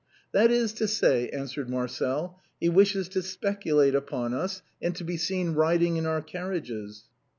" That is to say," answered Marcel, " he wishes to specu late upon us, and to be seen riding in our carriages."